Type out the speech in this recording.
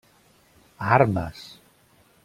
A armes!